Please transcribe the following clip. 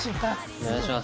お願いします。